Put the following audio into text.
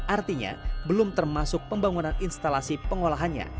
artinya belum termasuk pembangunan instalasi pengolahannya